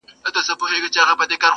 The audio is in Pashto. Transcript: پیرمحمد په ملغلرو بار کاروان دی